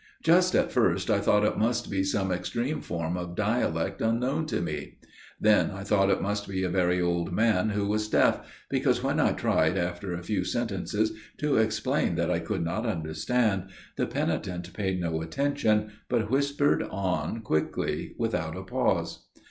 Just at first I thought it must be some extreme form of dialect unknown to me; then I thought it must be a very old man who was deaf, because when I tried, after a few sentences, to explain that I could not understand, the penitent paid no attention, but whispered on quickly without a pause.